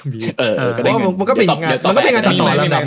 มันก็เป็นงานตัดต่อละ